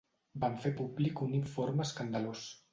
Van fer públic un informe escandalós.